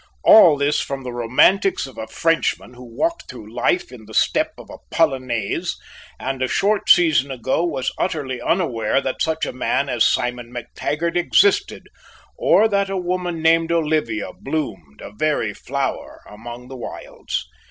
All this from the romantics of a Frenchman who walked through life in the step of a polonaise, and a short season ago was utterly unaware that such a man as Simon MacTaggart existed, or that a woman named Olivia bloomed, a very flower, among the wilds!